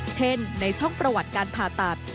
เช่นในช่องประวัติการผ่าตัด